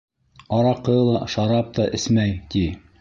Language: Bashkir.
Араҡы ла, шарап та эсмәй, ти.